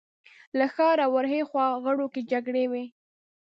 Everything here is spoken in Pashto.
له ښاره ورهاخوا غرو کې جګړې وې.